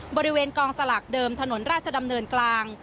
บริเวณกองสลากเดิมถนนราชดำเนินกลาง